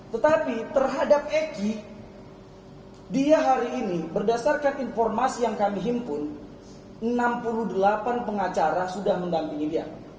tetapi terhadap egy dia hari ini berdasarkan informasi yang kami himpun enam puluh delapan pengacara sudah mendampingi dia